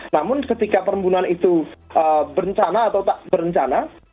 namun ketika perbunan itu berencana atau tak berencana